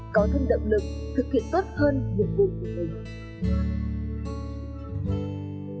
có thêm động lực thực hiện tốt hơn nhiệm vụ của mình